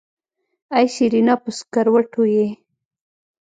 ای سېرېنا په سکروټو يې.